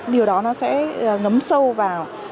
điều đó sẽ ngấm sâu vào